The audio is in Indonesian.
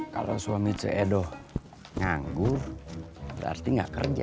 kalau suami ceedoh nganggur berarti gak kerja